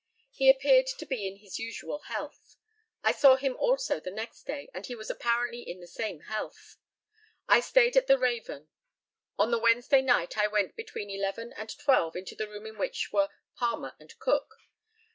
He appeared to be in his usual health. I saw him also the next day, and he was apparently in the same health. I stayed at the Raven. On the Wednesday night I went between eleven and twelve into the room in which were Palmer and Cook.